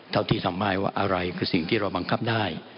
ที่ทำให้ว่าอะไรคือสิ่งที่เราบังคับได้